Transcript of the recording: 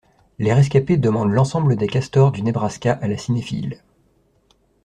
Les rescapées demandent l'ensemble des castors du Nebraska à la cinéphile!